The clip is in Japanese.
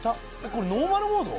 これノーマルモード？